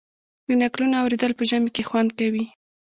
د نکلونو اوریدل په ژمي کې خوند کوي.